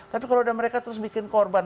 tapi kalau ada mereka terus bikin korban